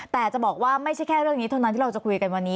แต่จะบอกว่าไม่ใช่แค่เรื่องนี้เท่านั้นที่เราจะคุยกันวันนี้